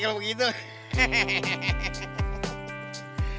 oke sebelum kita bebar